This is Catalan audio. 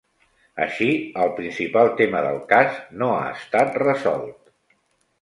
Així, el principal tema del cas no ha estat resolt.